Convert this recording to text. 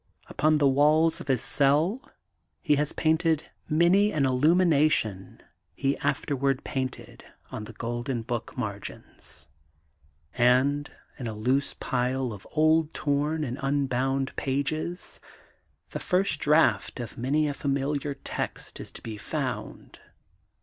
Upon the walls of his cell he has painted many an illumination he afterward painted on The Golden Book margins and, in a loose pile of old torn and unbound pages, the first draft of many a fa miliar text is to be found.